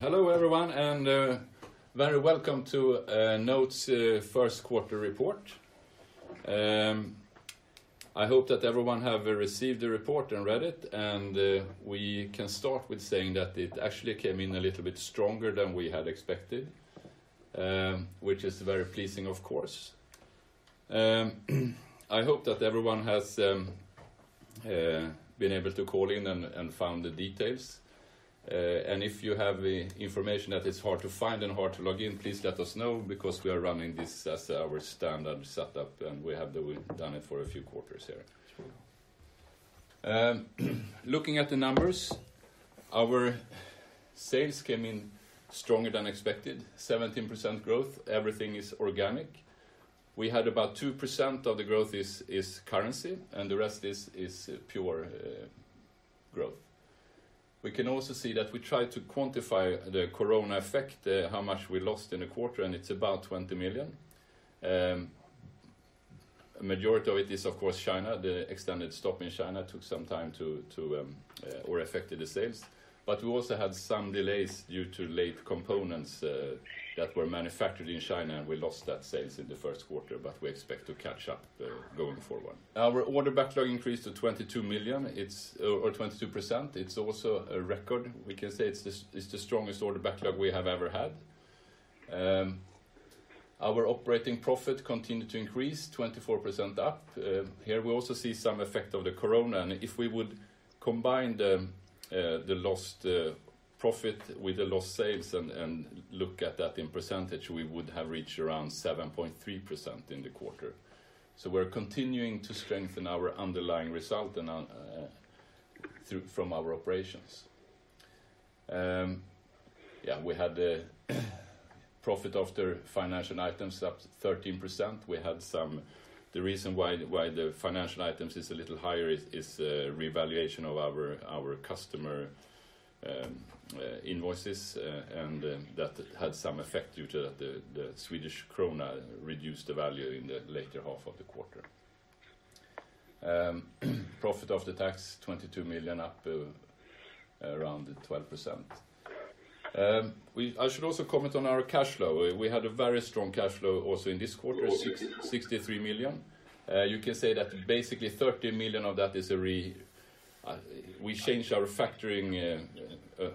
Hello, everyone, very welcome to NOTE's First Quarter Report. I hope that everyone have received the report and read it, we can start with saying that it actually came in a little bit stronger than we had expected, which is very pleasing, of course. I hope that everyone has been able to call in and found the details. If you have the information that is hard to find and hard to log in, please let us know because we are running this as our standard setup, and we have we've done it for a few quarters here. Looking at the numbers, our sales came in stronger than expected, 17% growth. Everything is organic. We had about 2% of the growth is, is currency, and the rest is, is pure growth. We can also see that we tried to quantify the Corona effect, how much we lost in a quarter, and it's about 20 million. Majority of it is, of course, China. The extended stop in China took some time to or affected the sales. We also had some delays due to late components that were manufactured in China, and we lost that sales in the first quarter, but we expect to catch up going forward. Our order backlog increased to 22 million, or 22%. It's also a record. We can say it's the, it's the strongest order backlog we have ever had. Our operating profit continued to increase, 24% up. Here, we also see some effect of the Corona. If we would combine the lost profit with the lost sales and look at that in percentage, we would have reached around 7.3% in the quarter. We're continuing to strengthen our underlying result from our operations. Yeah, we had the profit after financial items up 13%. The reason why the financial items is a little higher is revaluation of our customer invoices, and that had some effect due to the Swedish krona reduced the value in the later half of the quarter. Profit of the tax, 22 million, up around 12%. I should also comment on our cash flow. We had a very strong cash flow also in this quarter, 63 million. You can say that basically 30 million of that is. We changed our factoring,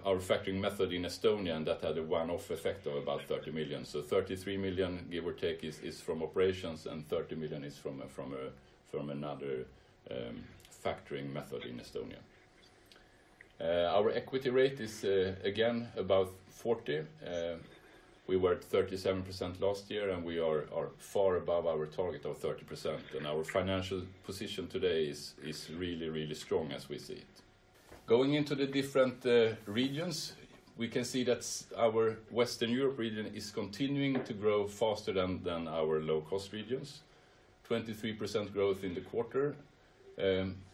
our factoring method in Estonia, that had a one-off effect of about 30 million. 33 million, give or take, is from operations. 30 million is from a, from a, from another factoring method in Estonia. Our equity rate is again about 40%. We were at 37% last year, we are far above our target of 30%, our financial position today is really, really strong as we see it. Going into the different regions, we can see that our Western Europe region is continuing to grow faster than our low-cost regions. 23% growth in the quarter,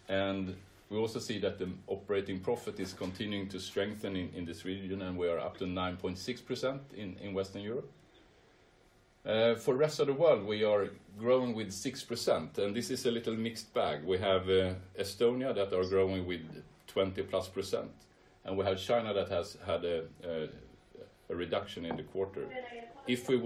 and we also see that the operating profit is continuing to strengthen in, in this region, and we are up to 9.6% in, in Western Europe. For the rest of the world, we are growing with 6%, and this is a little mixed bag. We have Estonia, that are growing with 20-plus percent, and we have China that has had a reduction in the quarter. If we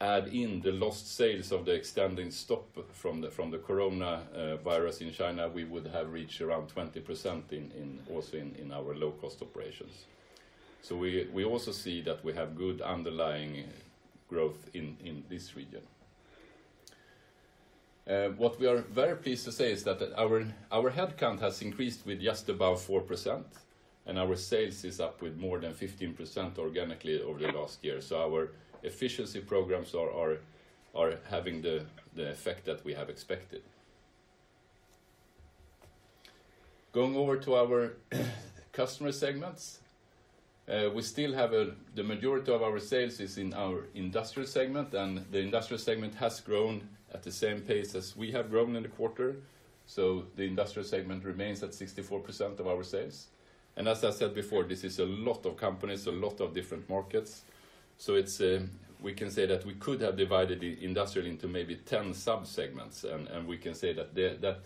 would add in the lost sales of the extending stop from the, from the Corona virus in China, we would have reached around 20% in, in also in, in our low-cost operations. We, we also see that we have good underlying growth in, in this region. What we are very pleased to say is that our headcount has increased with just about 4%, our sales is up with more than 15% organically over the last year. Our efficiency programs are having the effect that we have expected. Going over to our customer segments, we still have the majority of our sales is in our industrial segment. The industrial segment has grown at the same pace as we have grown in the quarter. The industrial segment remains at 64% of our sales. As I said before, this is a lot of companies, a lot of different markets. It's, we can say that we could have divided the industrial into maybe 10 subsegments, and we can say that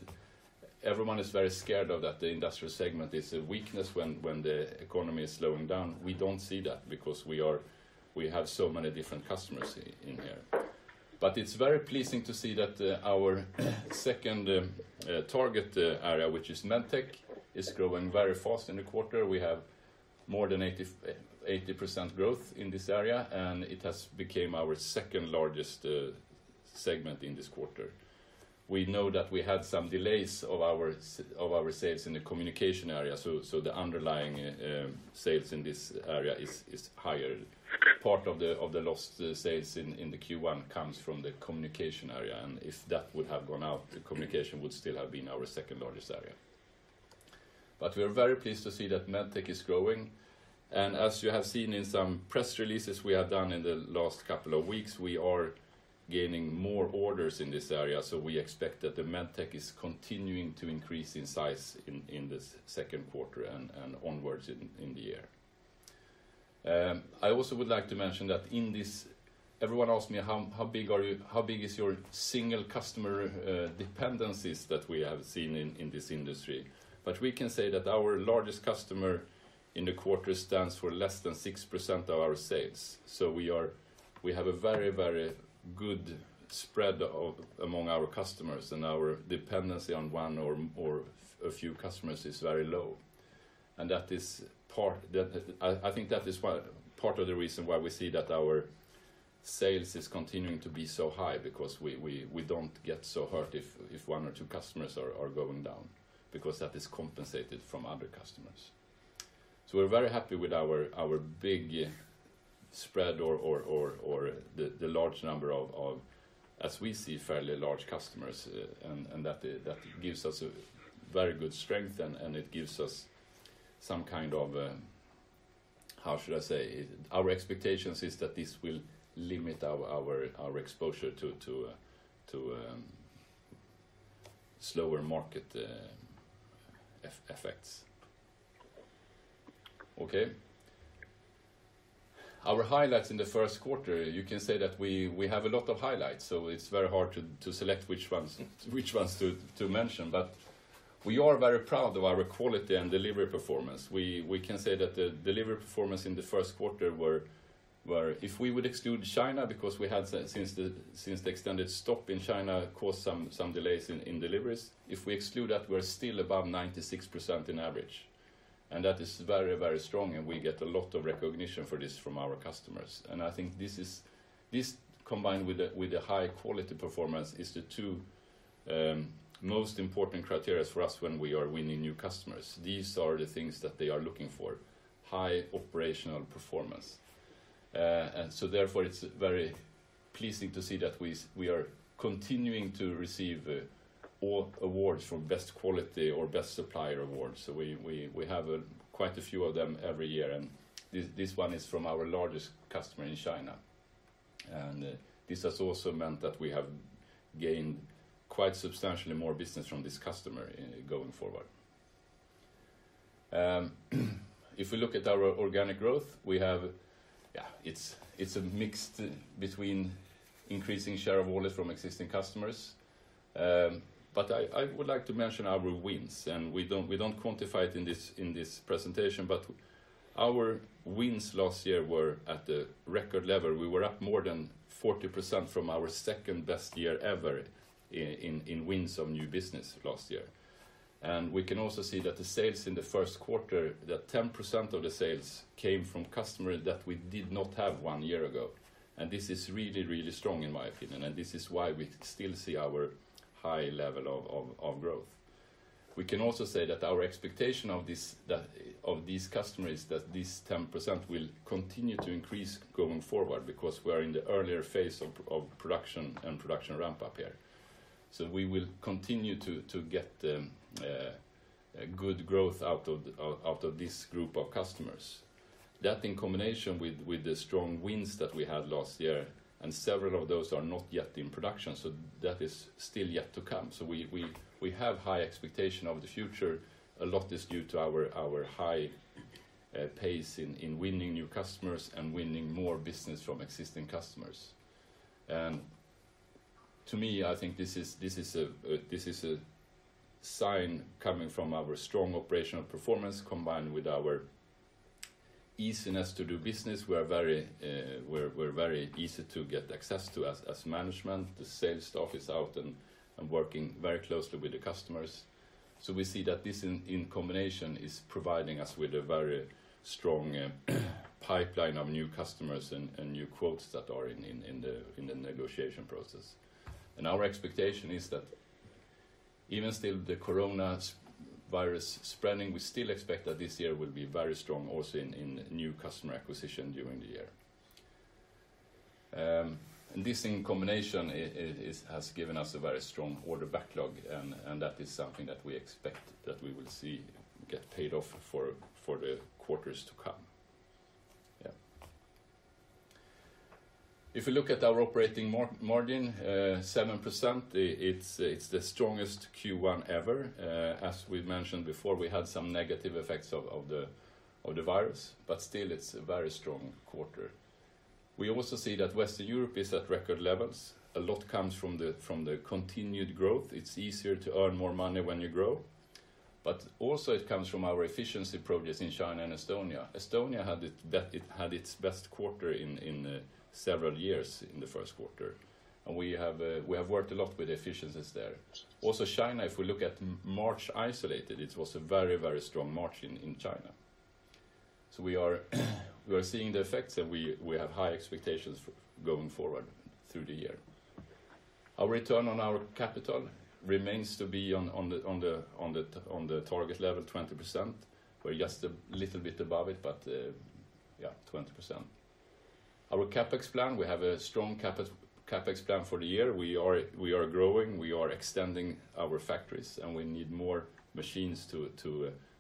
everyone is very scared of that the industrial segment is a weakness when the economy is slowing down. We don't see that because we have so many different customers in here. It's very pleasing to see that our second target area, which is MedTech, is growing very fast in the quarter. We have more than 80% growth in this area, and it has became our second-largest segment in this quarter. We know that we had some delays of our sales in the communication area, so the underlying sales in this area is higher. Part of the, of the lost sales in, in the Q1 comes from the communication area. If that would have gone out, the communication would still have been our second-largest area. We are very pleased to see that MedTech is growing. As you have seen in some press releases we have done in the last couple of weeks, we are gaining more orders in this area. We expect that the MedTech is continuing to increase in size in, in this second quarter and, and onwards in, in the year. I also would like to mention that everyone asks me, how big is your single customer, dependencies that we have seen in, in this industry? We can say that our largest customer in the quarter stands for less than 6% of our sales. We have a very, very good spread of, among our customers, and our dependency on one or, or a few customers is very low. That is part, that, I, I think that is why, part of the reason why we see that our sales is continuing to be so high, because we, we, we don't get so hurt if, if one or two customers are, are going down, because that is compensated from other customers. We're very happy with our, our big spread or, the, the large number of, as we see, fairly large customers, and, and that, that gives us a very good strength, and, and it gives us some kind of, how should I say? Our expectations is that this will limit our, exposure to, slower market effects. Okay. Our highlights in the first quarter, you can say that we, we have a lot of highlights, so it's very hard to, to select which ones, which ones to, to mention. We are very proud of our quality and delivery performance. We, we can say that the delivery performance in the first quarter were, if we would exclude China, because we had since the, since the extended stop in China, caused some, some delays in, in deliveries. If we exclude that, we're still above 96% in average. That is very, very strong, and we get a lot of recognition for this from our customers. I think this, combined with the, with the high quality performance, is the two most important criteria's for us when we are winning new customers. These are the things that they are looking for, high operational performance. Therefore, it's very pleasing to see that we are continuing to receive awards for best quality or best supplier awards. We, we, we have quite a few of them every year, and this, this one is from our largest customer in China. This has also meant that we have gained quite substantially more business from this customer going forward. If we look at our organic growth, we have yeah, it's, it's a mix between increasing share of wallet from existing customers. I, I would like to mention our wins, and we don't, we don't quantify it in this, in this presentation, but our wins last year were at a record level. We were up more than 40% from our second-best year ever in wins of new business last year. We can also see that the sales in the first quarter, that 10% of the sales came from customers that we did not have one year ago. This is really, really strong, in my opinion, and this is why we still see our high level of growth. We can also say that our expectation of these customers, that this 10% will continue to increase going forward, because we are in the earlier phase of production and production ramp up here. We will continue to, to get a good growth out of, out of this group of customers. That, in combination with, with the strong wins that we had last year, and several of those are not yet in production, so that is still yet to come. We, we, we have high expectation of the future. A lot is due to our, our high pace in, in winning new customers and winning more business from existing customers. To me, I think this is, this is a, this is a sign coming from our strong operational performance, combined with our easiness to do business. We are very, we're, we're very easy to get access to as, as management. The sales staff is out and, and working very closely with the customers. We see that this in, in combination, is providing us with a very strong pipeline of new customers and, and new quotes that are in, in the, in the negotiation process. Our expectation is that even still, the Corona's virus spreading, we still expect that this year will be very strong, also in, in new customer acquisition during the year. This in combination, is, has given us a very strong order backlog, and, and that is something that we expect, that we will see get paid off for, for the quarters to come. If you look at our operating margin, 7%, it's, it's the strongest Q1 ever. As we've mentioned before, we had some negative effects of, of the, of the virus, but still, it's a very strong quarter. We also see that Western Europe is at record levels. A lot comes from the continued growth. It's easier to earn more money when you grow. Also, it comes from our efficiency progress in China and Estonia. Estonia had its best quarter in several years in the first quarter. We have worked a lot with efficiencies there. Also, China, if we look at March isolated, it was a very, very strong March in China. We are seeing the effects. We have high expectations going forward through the year. Our return on our capital remains to be on the target level, 20%. We're just a little bit above it. Yeah, 20%. Our CapEx plan, we have a strong CapEx, CapEx plan for the year. We are, we are growing, we are extending our factories, and we need more machines to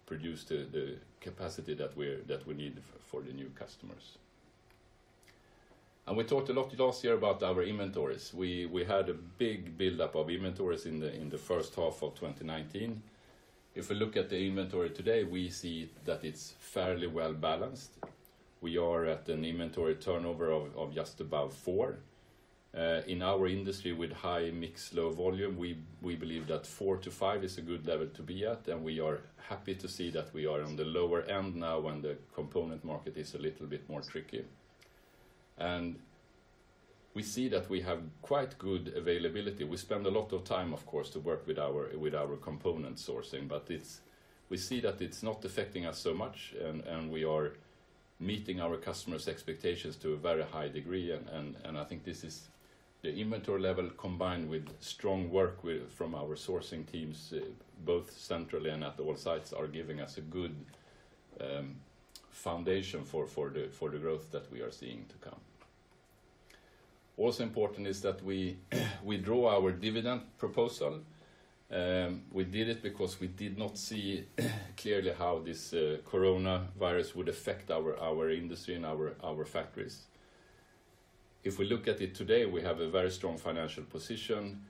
produce the capacity that we need for the new customers. We talked a lot last year about our inventories. We, we had a big buildup of inventories in the, in the first half of 2019. If we look at the inventory today, we see that it's fairly well-balanced. We are at an inventory turnover of just above four. In our industry, with high mix, low volume, we, we believe that four to five is a good level to be at. We are happy to see that we are on the lower end now when the component market is a little bit more tricky. We see that we have quite good availability. We spend a lot of time, of course, to work with our, with our component sourcing, but it's we see that it's not affecting us so much, and we are meeting our customers' expectations to a very high degree. I think this is the inventory level, combined with strong work from our sourcing teams, both centrally and at all sites, are giving us a good foundation for the growth that we are seeing to come. Also important is that we, we draw our dividend proposal. We did it because we did not see, clearly how this Corona virus would affect our, our industry and our, our factories. If we look at it today, we have a very strong financial position,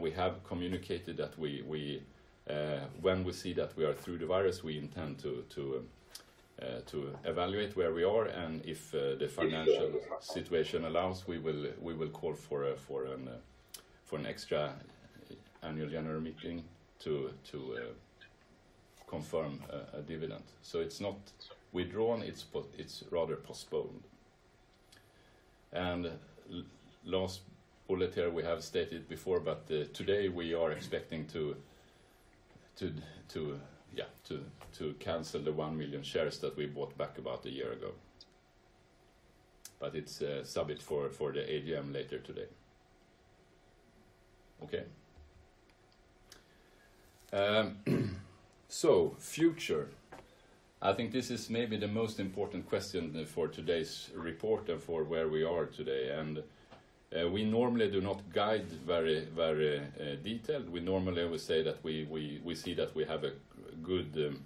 we have communicated that we, we, when we see that we are through the virus, we intend to, to evaluate where we are, and if the financial situation allows, we will, we will call for a, for an extra annual general meeting to, to confirm a, a dividend. It's not withdrawn, it's rather postponed. Last bullet here, we have stated before, today we are expecting to cancel the one million shares that we bought back about a year ago. It's subject for the AGM later today. Okay. Future, I think this is maybe the most important question for today's report and for where we are today. We normally do not guide very, very detailed. We normally would say that we, we, we see that we have a good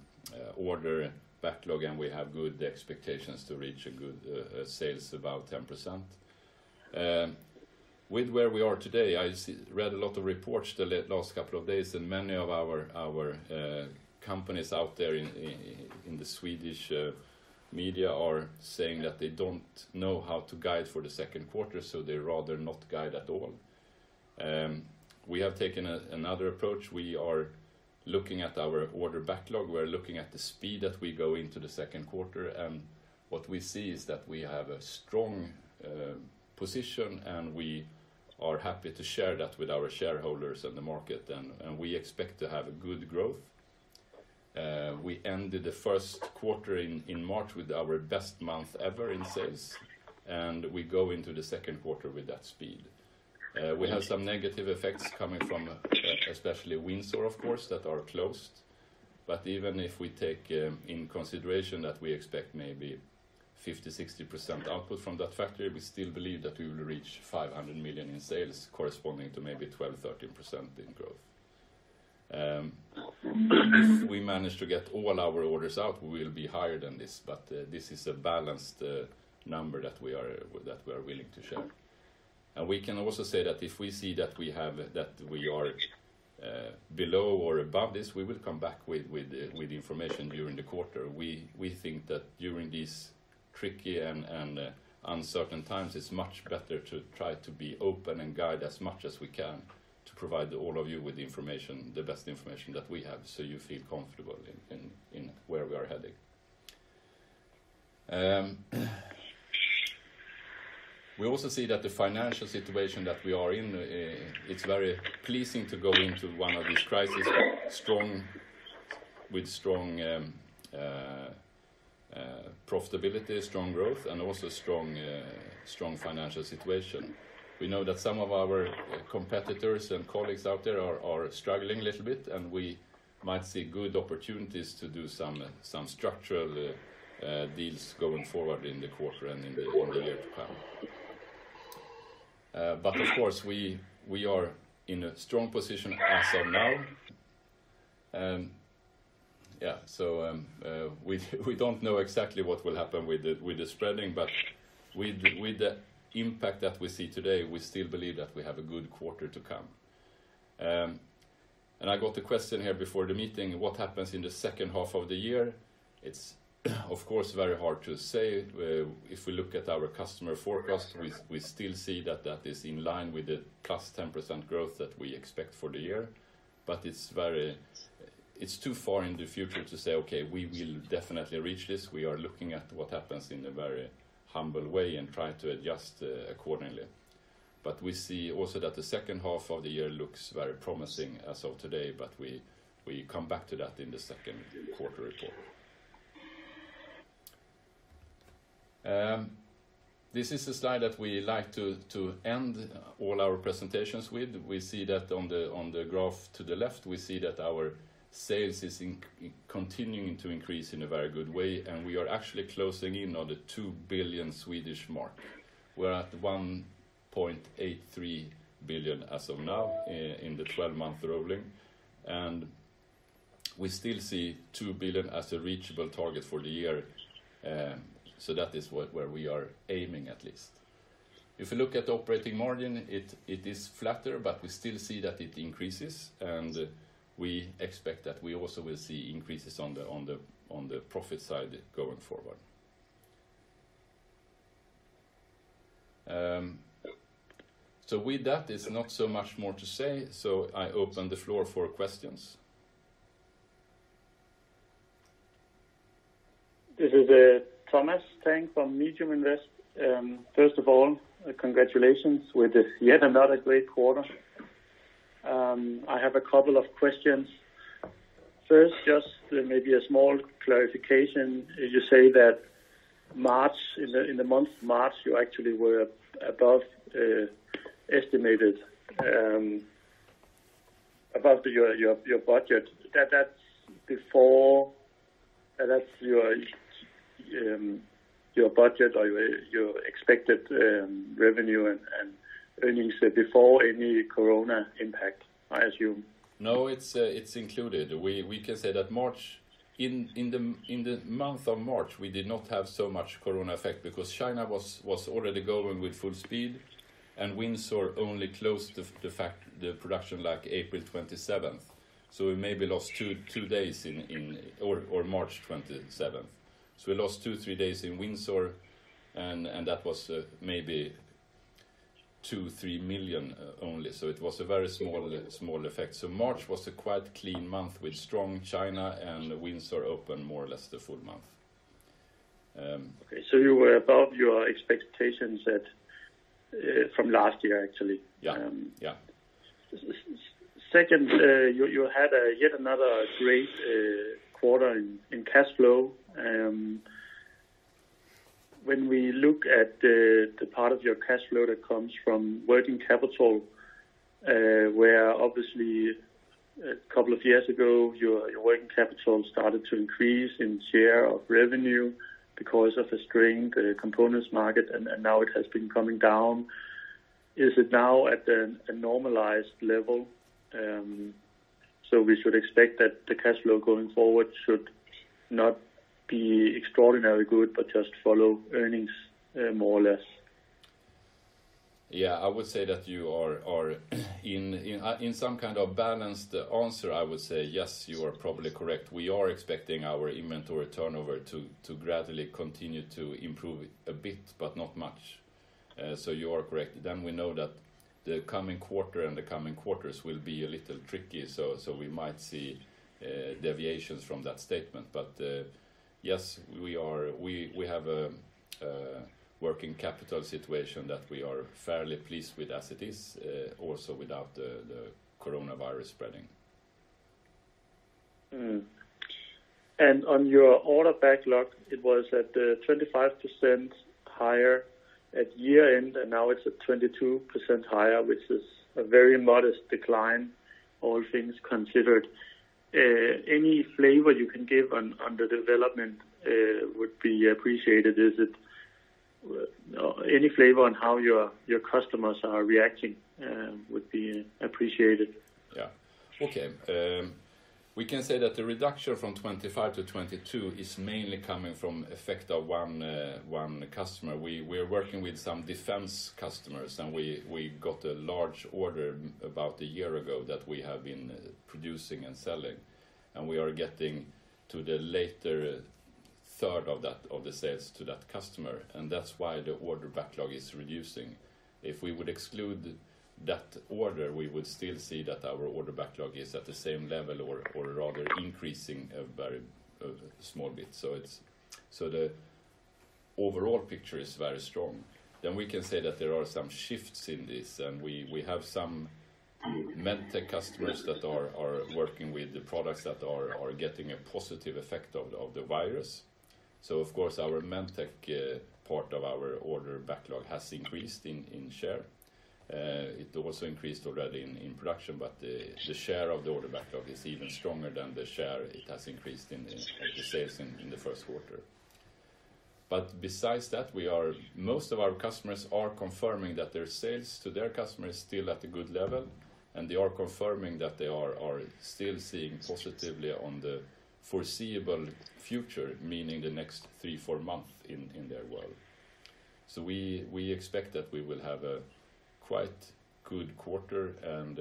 order backlog, and we have good expectations to reach a good sales, about 10%. With where we are today, I read a lot of reports the last couple of days, and many of our companies out there in the Swedish media are saying that they don't know how to guide for the second quarter, so they'd rather not guide at all. We have taken another approach. We are looking at our order backlog. We are looking at the speed that we go into the second quarter, and what we see is that we have a strong position, and we are happy to share that with our shareholders and the market, and we expect to have good growth. We ended the first quarter in March with our best month ever in sales, and we go into the second quarter with that speed. We have some negative effects coming from especially Windsor, of course, that are closed. Even if we take in consideration that we expect maybe 50%-60% output from that factory, we still believe that we will reach 500 million in sales, corresponding to maybe 12%-13% in growth. If we manage to get all our orders out, we will be higher than this, but this is a balanced number that we are, that we are willing to share. We can also say that if we see that we have, that we are below or above this, we will come back with, with, with information during the quarter. We, we think that during these tricky and uncertain times, it's much better to try to be open and guide as much as we can to provide all of you with the information, the best information that we have, so you feel comfortable in, in where we are heading. We also see that the financial situation that we are in, it's very pleasing to go into one of these crises with strong profitability, strong growth, and also strong financial situation. We know that some of our competitors and colleagues out there are struggling a little bit, and we might see good opportunities to do some structural deals going forward in the quarter and in the year to come. But of course, we are in a strong position as of now. Yeah, so we don't know exactly what will happen with the spreading, but with the impact that we see today, we still believe that we have a good quarter to come. I got a question here before the meeting: What happens in the second half of the year? It's, of course, very hard to say. If we look at our customer forecast, we, we still see that that is in line with the +10% growth that we expect for the year. It's too far in the future to say, "Okay, we will definitely reach this." We are looking at what happens in a very humble way and try to adjust accordingly. We see also that the second half of the year looks very promising as of today, but we, we come back to that in the second quarter report. This is a slide that we like to, to end all our presentations with. We see that on the, on the graph to the left, we see that our sales is continuing to increase in a very good way, we are actually closing in on the two billion Swedish mark. We're at 1.83 billion as of now, in the 12-month rolling, and we still see two billion as a reachable target for the year. That is what, where we are aiming at least. If you look at the operating margin, it, it is flatter, we still see that it increases, and we expect that we also will see increases on the, on the, on the profit side going forward. With that, there's not so much more to say, so I open the floor for questions. This is Thomas Tang from Mediuminvest. First of all, congratulations with yet another great quarter. I have a couple of questions. First, just maybe a small clarification. You say that March, in the, in the month March, you actually were above estimated, above your, your, your budget. That's before-- That's your budget or your, your expected revenue and earnings before any Corona impact, I assume? No, it's, it's included. We, we can say that March, in, in the, in the month of March, we did not have so much corona effect because China was, was already going with full speed, and Windsor only closed the fact, the production, like April 27th. We maybe lost two, two days in- or, or March 27th. We lost two, three days in Windsor, and, and that was maybe 2, 3 million only. It was a very small, small effect. March was a quite clean month with strong China and Windsor open more or less the full month. Okay, you were above your expectations that from last year, actually? Yeah, yeah. Second, you, you had, yet another great quarter in, in cash flow. When we look at the, the part of your cash flow that comes from working capital, where obviously a couple of years ago, your, your working capital started to increase in share of revenue because of a strained components market, and, and now it has been coming down. Is it now at a, a normalized level? We should expect that the cash flow going forward should not be extraordinarily good, but just follow earnings, more or less? Yeah, I would say that you are in, in, in some kind of balanced answer, I would say, yes, you are probably correct. We are expecting our inventory turnover to, to gradually continue to improve a bit, but not much. You are correct. We know that the coming quarter and the coming quarters will be a little tricky, so, so we might see deviations from that statement. Yes, we are, we, we have a, a working capital situation that we are fairly pleased with as it is, also without the, the coronavirus spreading. On your order backlog, it was at 25% higher at year-end, and now it's at 22% higher, which is a very modest decline, all things considered. Any flavor you can give on, on the development would be appreciated. Is it Any flavor on how your, your customers are reacting would be appreciated. Yeah. Okay, we can say that the reduction from 25 to 22 is mainly coming from effect of one customer. We, we're working with some defense customers, and we, we got a large order about a year ago that we have been producing and selling, and we are getting to the later third of that, of the sales to that customer, and that's why the order backlog is reducing. If we would exclude that order, we would still see that our order backlog is at the same level or, or rather increasing a very small bit. The overall picture is very strong. We can say that there are some shifts in this, and we, we have some MedTech customers that are, are working with the products that are, are getting a positive effect of the, of the virus. Of course, our MedTech part of our order backlog has increased in share. It also increased already in production, but the share of the order backlog is even stronger than the share it has increased in the sales in the first quarter. Besides that, most of our customers are confirming that their sales to their customers is still at a good level, and they are confirming that they are still seeing positively on the foreseeable future, meaning the next three, four months in their world. We, we expect that we will have a quite good quarter, and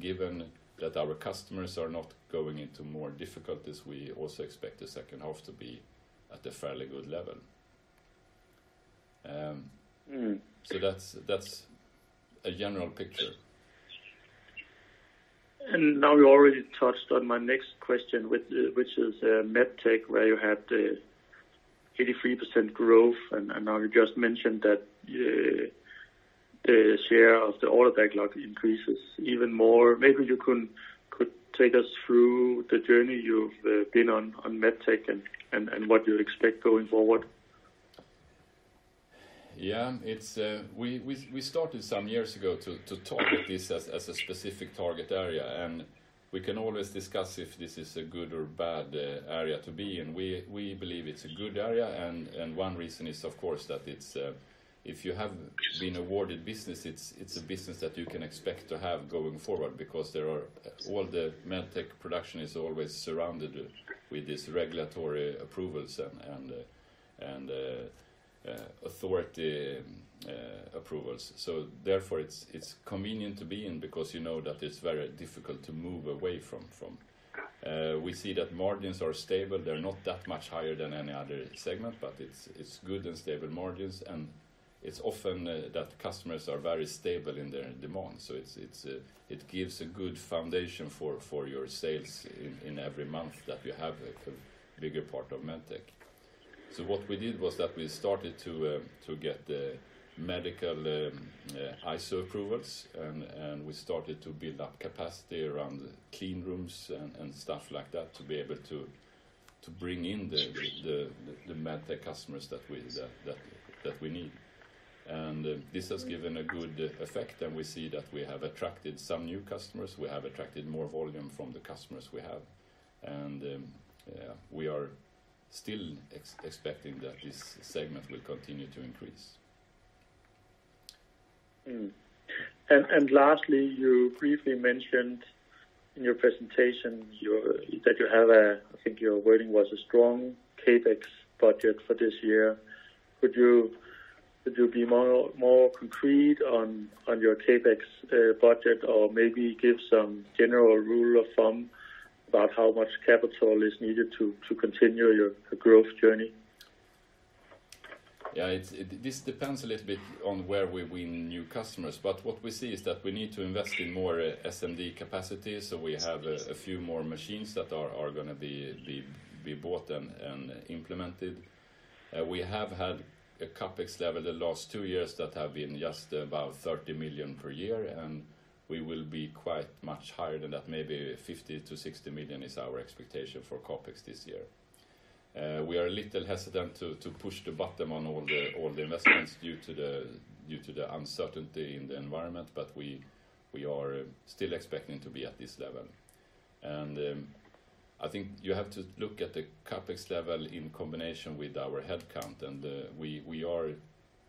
given that our customers are not going into more difficulties, we also expect the second half to be at a fairly good level. Mm. That's a general picture. Now you already touched on my next question, which, which is MedTech, where you had the 83% growth, and now you just mentioned that the share of the order backlog increases even more. Maybe you could, could take us through the journey you've been on, on MedTech and, and, and what you expect going forward. Yeah. It's, we, we started some years ago to, to talk at this as, as a specific target area. We can always discuss if this is a good or bad area to be in. We, we believe it's a good area. One reason is, of course, that it's, if you have been awarded business, it's, it's a business that you can expect to have going forward because all the MedTech production is always surrounded with this regulatory approvals and, and authority approvals. Therefore, it's, it's convenient to be in because you know that it's very difficult to move away from, from. We see that margins are stable. They're not that much higher than any other segment, but it's, it's good and stable margins, and it's often that customers are very stable in their demand. It's, it's, it gives a good foundation for, for your sales in, in every month that you have a, a bigger part of MedTech. What we did was that we started to get the medical ISO approvals, and, and we started to build up capacity around clean rooms and, and stuff like that, to be able to, to bring in the MedTech customers that we need. This has given a good effect, and we see that we have attracted some new customers. We have attracted more volume from the customers we have, and, yeah, we are still expecting that this segment will continue to increase. Lastly, you briefly mentioned in your presentation, that you have a, I think your wording was a strong CapEx budget for this year. Could you, could you be more, more concrete on, on your CapEx budget, or maybe give some general rule of thumb about how much capital is needed to, to continue your growth journey? Yeah, it's this depends a little bit on where we win new customers. What we see is that we need to invest in more SMD capacity. We have a few more machines that are gonna be bought and implemented. We have had a CapEx level the last two years that have been just about 30 million per year. We will be quite much higher than that. Maybe 50 million-60 million is our expectation for CapEx this year. We are a little hesitant to push the button on all the investments due to the uncertainty in the environment. We are still expecting to be at this level. I think you have to look at the CapEx level in combination with our headcount. We, we are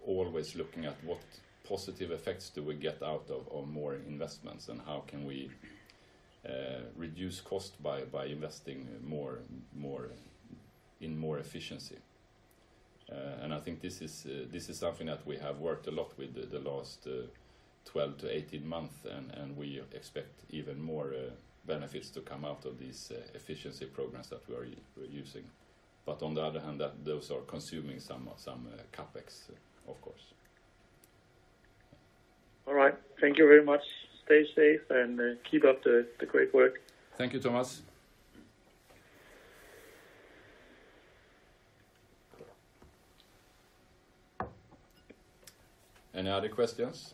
always looking at what positive effects do we get out of, of more investments, and how can we reduce cost by, by investing more, more, in more efficiency. I think this is, this is something that we have worked a lot with the last 12 to 18 months, and, and we expect even more benefits to come out of these efficiency programs that we are we're using. On the other hand, that those are consuming some of, some CapEx, of course. All right. Thank you very much. Stay safe, and keep up the, the great work. Thank you, Thomas. Any other questions?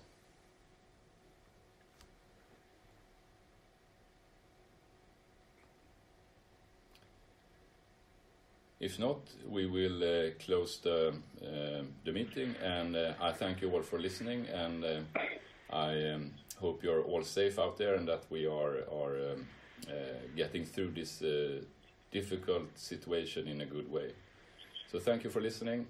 If not, we will close the meeting, and I thank you all for listening, and I hope you're all safe out there and that we are getting through this difficult situation in a good way. Thank you for listening.